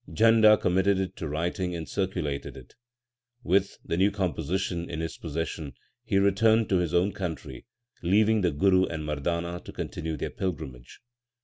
Jhanda committed it to writing and circulated it. With the new composition in his possession he returned to his own country, leaving the Guru and Mardana to continue their pilgrimage.